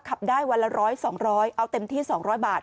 ขับได้วันละ๑๐๐๒๐๐เอาเต็มที่๒๐๐บาท